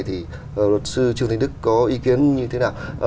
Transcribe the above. thì luật sư trương thanh đức có ý kiến như thế nào